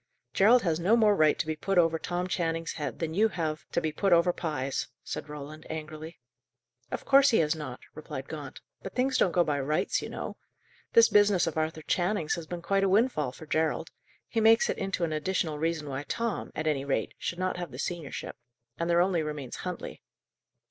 "Gerald has no more right to be put over Tom Channing's head, than you have to be put over Pye's," said Roland, angrily. "Of course he has not," replied Gaunt. "But things don't go by 'rights,' you know. This business of Arthur Channing's has been quite a windfall for Gerald; he makes it into an additional reason why Tom, at any rate, should not have the seniorship. And there only remains Huntley."